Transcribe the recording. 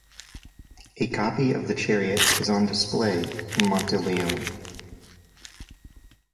A copy of the chariot is on display in Monteleone.